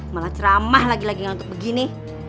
malah ceramah lagi lagi ngantuk begini